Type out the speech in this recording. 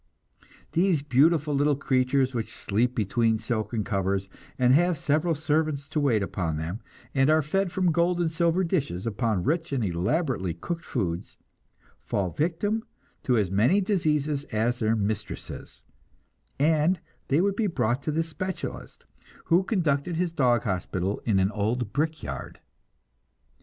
These beautiful little creatures, which sleep between silken covers, and have several servants to wait upon them, and are fed from gold and silver dishes upon rich and elaborately cooked foods, fall victim to as many diseases as their mistresses, and they would be brought to this specialist, who conducted his dog hospital in an old brickyard.